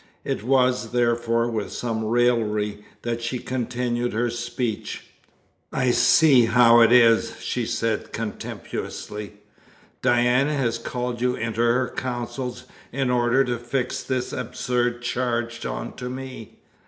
It was, therefore, with some raillery that she continued her speech: "I see how it is," she said contemptuously, "Diana has called you into her councils in order to fix this absurd charge on to me.